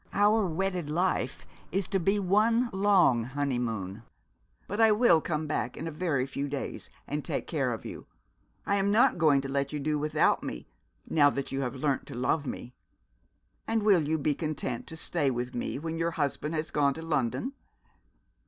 'Our wedded life is to be one long honeymoon. But I will come back in a very few days, and take care of you. I am not going to let you do without me, now that you have learnt to love me.' 'And will you be content to stay with me when your husband has gone to London?'